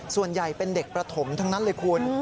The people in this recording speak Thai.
ส่วนใหญ่เป็นเด็กประถมทั้งนั้นเลยคุณ